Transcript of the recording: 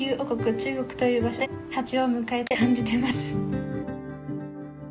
中国という場所で二十歳を迎えて運命感じてます。